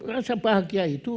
rasa bahagia itu